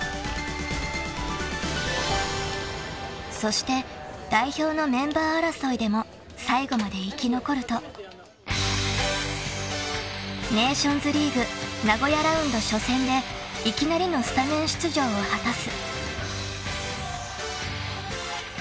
［そして代表のメンバー争いでも最後まで生き残るとネーションズリーグ名古屋ラウンド初戦でいきなりのスタメン出場を果たす］